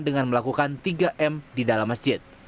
dengan melakukan tiga m di dalam masjid